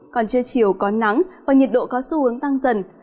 còn trưa chiều có nắng và nhiệt độ có xu hướng tăng dần